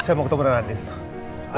saya mau ketemu radin